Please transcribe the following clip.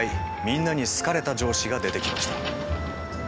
みんなに好かれた上司が出てきました。